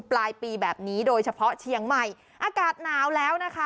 ปลายปีแบบนี้โดยเฉพาะเชียงใหม่อากาศหนาวแล้วนะคะ